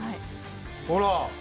ほら。